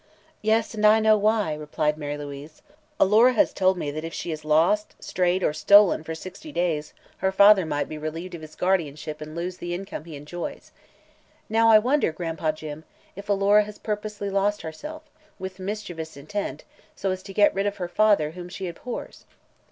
"Yes, and I know why," replied Mary Louise. "Alora has told me that if she is lost, strayed or stolen for sixty days, her father might be relieved of his guardianship and lose the income he enjoys. Now, I wonder, Gran'pa Jim, if Alora has purposely lost herself, with mischievous intent, so as to get rid of her father, whom she abhors?"